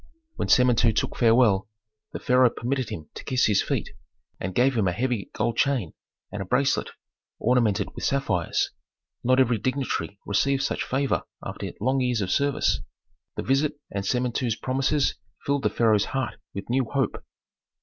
When Samentu took farewell, the pharaoh permitted him to kiss his feet, and gave him a heavy gold chain and a bracelet ornamented with sapphires. Not every dignitary received such favor after long years of service. The visit and Samentu's promises filled the pharaoh's heart with new hope.